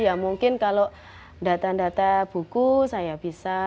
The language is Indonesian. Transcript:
ya mungkin kalau data data buku saya bisa